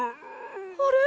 あれ？